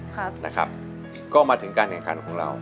ครับนะครับก็มาถึงการแข่งขันของเรา